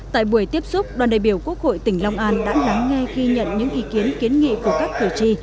tại buổi tiếp xúc đoàn đại biểu quốc hội tỉnh long an đã lắng nghe khi nhận những ý kiến kiến nghị của các cử tri